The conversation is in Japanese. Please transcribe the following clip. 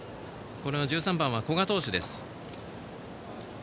１３番は古賀投手です。